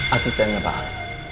asistennya pak al